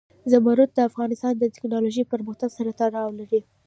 زمرد د افغانستان د تکنالوژۍ پرمختګ سره تړاو لري.